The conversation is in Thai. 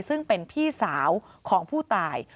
ซึ่งเป็นพี่สาวของผู้ตาย